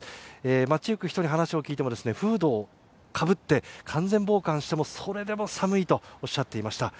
街行く人に話を聞いてもフードをかぶって完全防寒しても、それでも寒いとおっしゃっていました。